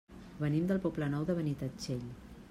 Venim del Poble Nou de Benitatxell.